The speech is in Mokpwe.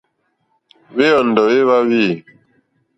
Wéyɔ́ndɔ̀ wé wáwî.